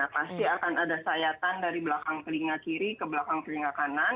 pasti akan ada sayatan dari belakang telinga kiri ke belakang telinga kanan